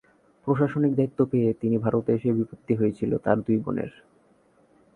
প্রশাসনিক দায়িত্ব পেয়ে তিনি ভারতে এসে বিপত্তি হয়েছিল তাঁর দুই বোনের।